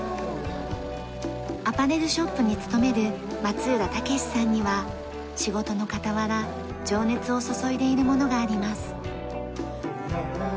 アパレルショップに勤める松浦剛士さんには仕事の傍ら情熱を注いでいるものがあります。